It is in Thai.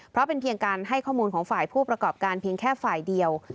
เพราะเป็นเพียงการให้ข้อมูลของฝ่ายผู้ประกอบการเพียงแค่ฝ่ายเดียว